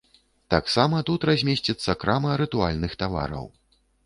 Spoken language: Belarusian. Таксама тут размесціцца крама рытуальных тавараў.